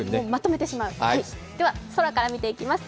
では、空から見ていきます。